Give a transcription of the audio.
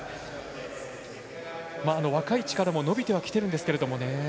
若い力も伸びてはきているんですけどね。